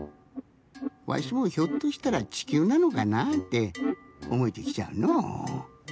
わしもひょっとしたらちきゅうなのかなっておもえてきちゃうのう。